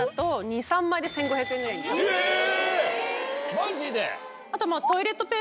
マジで？